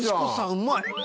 うまい。